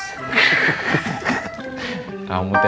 kamu teh satu aja ya